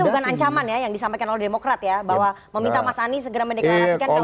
tapi itu bukan ancaman ya yang disampaikan oleh demokrat ya bahwa meminta mas ani segera mendeklarasikan kalau gak evaluasi